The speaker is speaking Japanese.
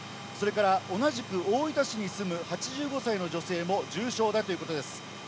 それから同じく大分市に住む８５歳の女性も重傷だということです。